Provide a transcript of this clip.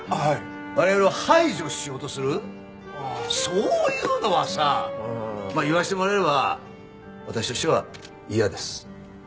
そういうのはさまあ言わせてもらえば私としては嫌です。